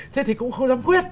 thế thì cũng không dám quyết